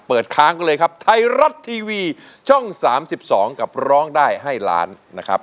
ค้างกันเลยครับไทยรัฐทีวีช่อง๓๒กับร้องได้ให้ล้านนะครับ